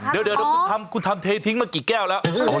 เดี๋ยวคุณทำเททิ้งมากี่แก้วแล้ว